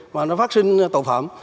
mà nó phát sinh tội phạm